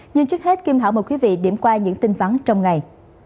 nhưng trước hết kim thảo mời quý vị điểm qua những tin vắng trong ngày